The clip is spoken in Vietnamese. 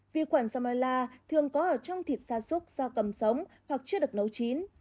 vi khuẩn salmonella thường có ở trong thịt xa xúc xa cầm sống hoặc chưa được nấu chín